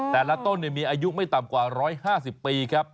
แต่ละต้นมีอายุไม่ต่ำกว่า๑๕๐ปีครับ